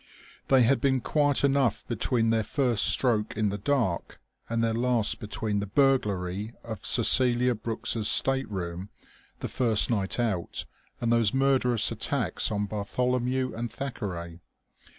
They had been quiet enough between their first stroke in the dark and their last, between the burglary of Cecelia Brooke's stateroom the first night out and those murderous attacks on Bartholomew and Thackeray.